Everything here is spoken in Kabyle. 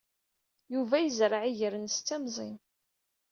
Yuba yezreɛ iger-nnes d timẓin.